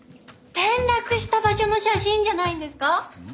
転落した場所の写真じゃないんですか？